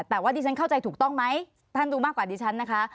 แต่ว่าดิฉันเข้าใจถูกต้องไหมท่านดูมากกว่าดิฉันนะคะ